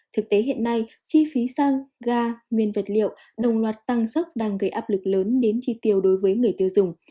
thực tế hiện nay chi phí sang ga nguyên vật liệu đồng loạt tăng sốc đang gây áp lực lớn đến chi tiêu đối với người tiêu dùng